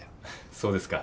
そうですか。